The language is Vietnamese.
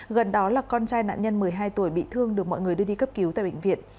gần đó là con trai nạn nhân một mươi hai tuổi bị thương được mọi người đưa đi cấp cứu tại bệnh viện